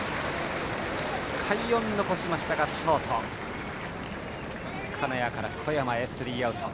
快音を残しましたが、ショートの金谷から小山へスリーアウト。